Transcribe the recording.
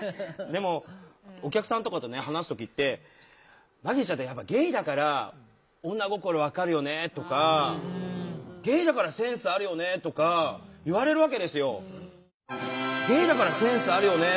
でもお客さんとかと話す時って「バギーちゃんってやっぱゲイだから女心分かるよね」とか「ゲイだからセンスあるよね」とか言われるわけですよ。